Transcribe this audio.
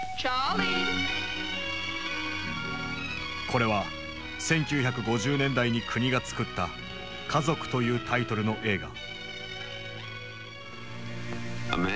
これは１９５０年代に国が作った「家族」というタイトルの映画。